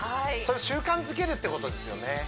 習慣づけるってことですよね